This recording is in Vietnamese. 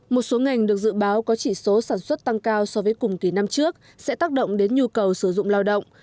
một số ngành được dự báo có chỉ số sản xuất tăng cao so với cùng kỳ năm trước sẽ tác động đến nhu cầu sử dụng lao động